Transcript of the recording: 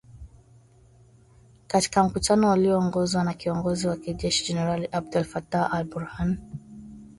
katika mkutano ulioongozwa na kiongozi wa kijeshi generali Abdel Fattah al- Burhan